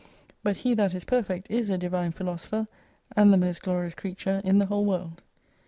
But he that is perfect is a Divine Philosopher, and the most glorious creature in the whole world.